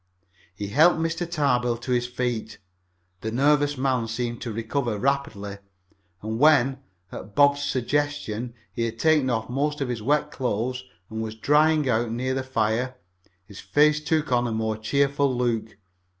He helped Mr. Tarbill to his feet. The nervous man seemed to recover rapidly, and when, at Bob's suggestion, he had taken off most of his wet clothes and was drying out near the fire, his face took on a more cheerful look.